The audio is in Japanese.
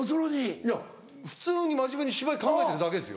いや普通に真面目に芝居考えてるだけですよ。